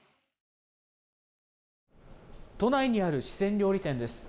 都内にある四川料理店です。